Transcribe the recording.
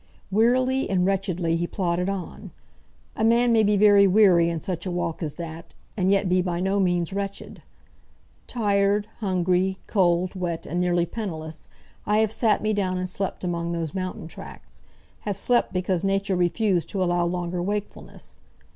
Wearily and wretchedly he plodded on. A man may be very weary in such a walk as that, and yet be by no means wretched. Tired, hungry, cold, wet, and nearly penniless, I have sat me down and slept among those mountain tracks, have slept because nature refused to allow longer wakefulness.